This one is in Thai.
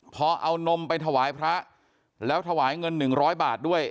พอเอานมไปถวายพระแล้วถวายเงิน๑๐๐บาทด้วย